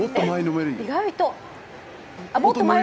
意外と。